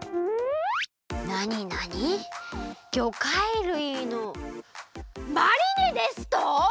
なになにぎょかいるいのマリネですと！？